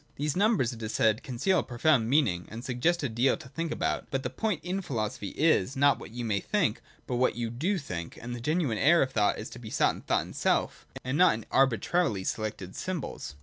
These numbers, it is said, conceal a profound meaning, and suggest a deal to think about. But the point in philosophy is, not what you may think, but what you do think : and the genuine air of thought is to be sought in thought itself, and not in arbitrarily selected symbols.